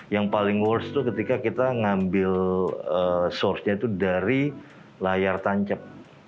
yang paling worst itu ketika kita ngambil source nya itu dari layar tancap